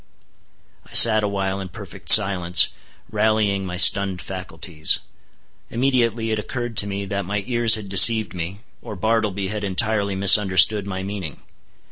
I sat awhile in perfect silence, rallying my stunned faculties. Immediately it occurred to me that my ears had deceived me, or Bartleby had entirely misunderstood my meaning.